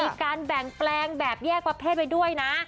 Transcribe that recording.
มีการแบ่งแปลงแบบแยกประเภทไว้ด้วยนะ